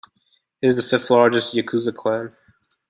It is the fifth largest Yakuza clan.